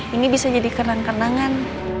ini bisa jadi kenang kenangan